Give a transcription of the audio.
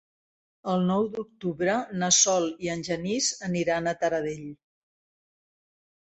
El nou d'octubre na Sol i en Genís aniran a Taradell.